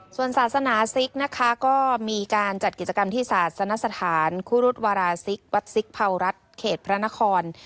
ส่วนศาสนาซิกนะคะก็มีการจัดกิจกรรมที่ศาสนสถานคุรุษวาราศิกวัดซิกเผารัฐเขตพระนคร